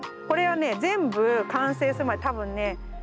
これはね全部完成するまで多分ね